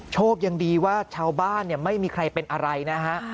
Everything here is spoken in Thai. โชคยังดีว่าชาวบ้านเนี่ยไม่มีใครเป็นอะไรนะฮะ